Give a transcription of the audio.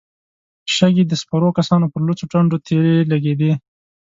شګې د سپرو کسانو پر لوڅو ټنډو تېرې لګېدې.